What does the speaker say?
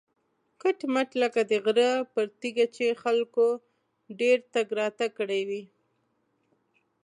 کټ مټ لکه د غره پر تیږه چې خلکو ډېر تګ راتګ کړی وي.